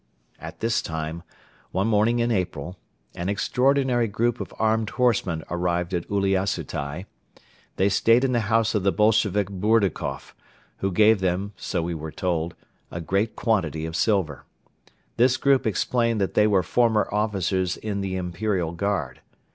At this time, one morning in April, an extraordinary group of armed horsemen arrived at Uliassutai. They stayed at the house of the Bolshevik Bourdukoff, who gave them, so we were told, a great quantity of silver. This group explained that they were former officers in the Imperial Guard.